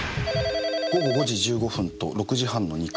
午後５時１５分と６時半の２回。